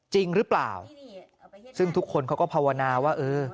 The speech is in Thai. จริงหรือเปล่าซึ่งทุกคนเขาก็ภาวนาว่าเออ